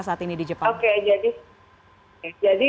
saat ini di jepang oke jadi